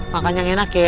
makan yang enak ye